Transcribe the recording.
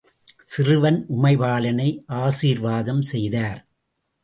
சிறுவன் உமைபாலனை ஆசீர்வாதம் செய்தார்.